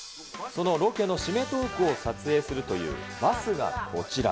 そのロケの締めトークを撮影するというバスがこちら。